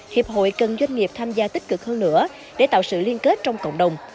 hiệp hội cần doanh nghiệp tham gia tích cực hơn nữa để tạo sự liên kết trong cộng đồng